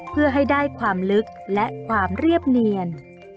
เพื่อให้ได้ความลึกและความเรียบเนียน